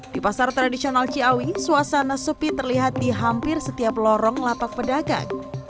di pasar tradisional ciawi suasana sepi terlihat di hampir setiap lorong lapak pedagang